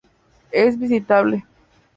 Es visitable.